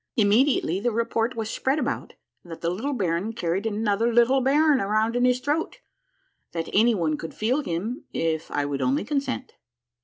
Immedi ately the report was spread about that the little baron carried another little baron around in his throat, that any one could feel him, if I would only consent.